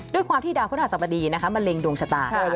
ด้วยความที่ดาวพระราชบดีมันเร็งดวงชะตาค่ะ